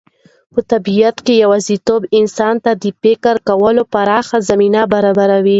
په طبیعت کې یوازېتوب انسان ته د فکر کولو پراخه زمینه برابروي.